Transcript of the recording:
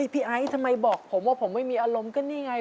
ไอ้ทำไมบอกผมว่าผมไม่มีอารมณ์ก็นี่ไง